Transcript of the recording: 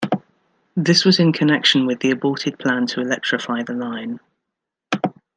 This was in connection with the aborted plan to electrify the line.